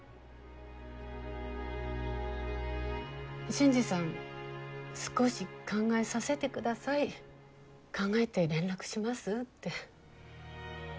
新次さん少し考えさせてください考えて連絡しますって。